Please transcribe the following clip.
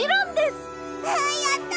やった！